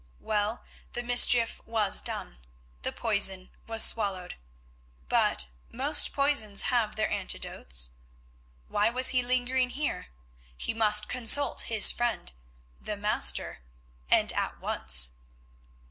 Well, the mischief was done, the poison was swallowed, but—most poisons have their antidotes. Why was he lingering here? He must consult his friend, the Master, and at once.